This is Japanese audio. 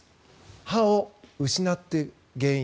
歯を失っていく原因